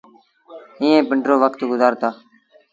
ايئين پنڊرو وکت گزآرتآ۔